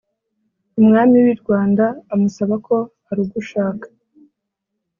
umwami wirwanda amusaba ko arugushaka